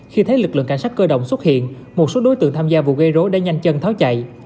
khi thấy lực lượng cảnh sát cơ động xuất hiện một số đối tượng tham gia vụ gây rối đã nhanh chân tháo chạy